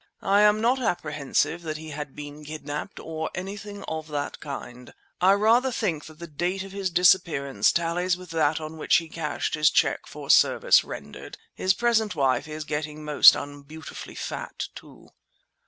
I am not apprehensive that he had been kidnapped or anything of that kind. I think rather that the date of his disappearance tallies with that on which he cashed his cheque for service rendered! His present wife is getting most unbeautifully fat, too."